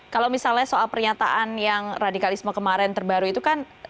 kalau misalnya soal pernyataan yang radikalisme kemarin terbaru itu kan